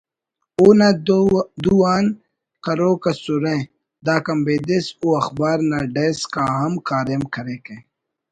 اونا دو انا کروک ئسرہ داکان بیدس او اخبار نا ڈیسک آ ہم کاریم کریکہ